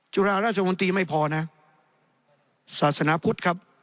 จุฬาราชมนตรีไม่พอนะศาสนาพุทธครับ